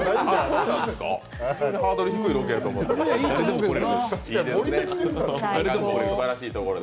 ハードル低いロケやと思ってた。